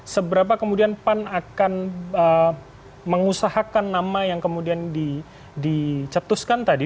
seberapa kemudian pan akan mengusahakan nama yang kemudian dicetuskan tadi